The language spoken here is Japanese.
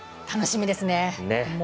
楽しみですね。